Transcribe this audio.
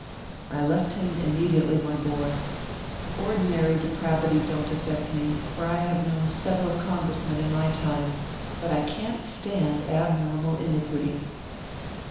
I left him immediately, my boy. Ordinary de pravity don t affect me, for I have known several Congressmen in my time ; but I can t stand abnor mal iniquity.